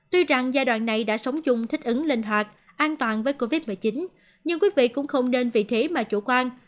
tuy rằng giai đoạn này đã sống chung thích ứng linh hoạt an toàn với covid một mươi chín nhưng quý vị cũng không nên vì thế mà chủ quan